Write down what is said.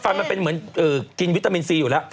ฟันมันเหมือนกินวิตาเมณซีอยู่กันแหละ